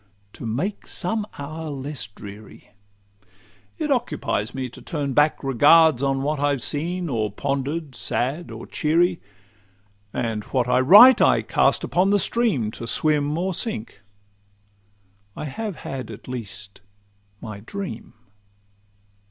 —To make some hour less dreary. It occupies me to turn back regards On what I've seen or ponder'd, sad or cheery; And what I write I cast upon the stream, To swim or sink—I have had at least my dream.